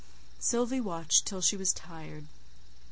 Sylvie watched till she was tired.